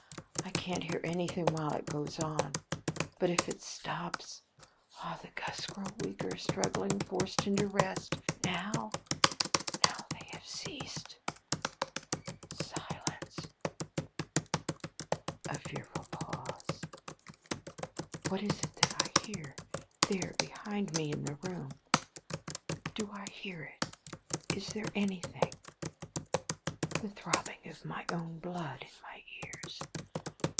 I can't hear anything while it goes on; but if it stops! Ah! the gusts grow weaker, struggling, forced into rest. Now now they have ceased. Silence! A fearful pause. What is that that I hear? There, behind me in the room? Do I hear it? Is there anything? The throbbing of my own blood in my ears.